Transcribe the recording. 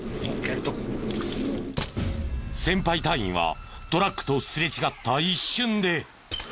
先輩隊員はトラックとすれ違った一瞬で。